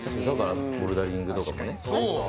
ボルダリングとかもね。